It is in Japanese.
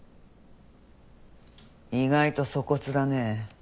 意外と粗忽だねえ。